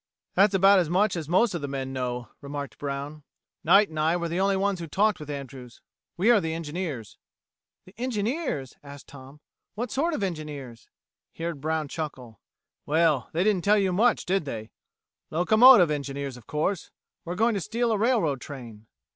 "That's about as much as most of the men know," remarked Brown. "Knight and I were the only ones who talked with Andrews. We are the engineers." "The engineers?" asked Tom. "What sort of engineers?" He heard Brown chuckle. "Well, they didn't tell you much, did they? Locomotive engineers, of course. We're going to steal a railroad train."